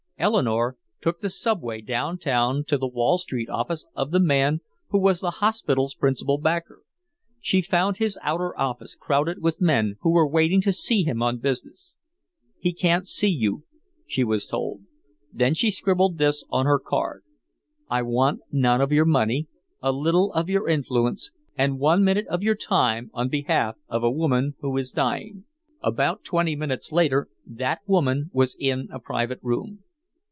Eleanore took the subway downtown to the Wall Street office of the man who was the hospital's principal backer. She found his outer office crowded with men who were waiting to see him on business. "He can't see you," she was told. Then she scribbled this on her card: "I want none of your money, a little of your influence and one minute of your time on behalf of a woman who is dying." About twenty minutes later that woman was in a private room.